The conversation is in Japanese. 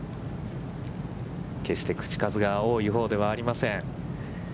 決して口数が多いほうではありません。